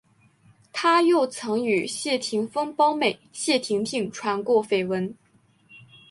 他又曾与谢霆锋胞妹谢婷婷传过绯闻。